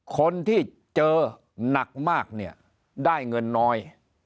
คนที่เจอนักมากได้เงินน้อย